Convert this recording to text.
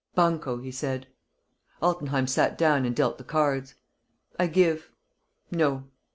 "Banco," he said. Altenheim sat down and dealt the cards: "I give." "No."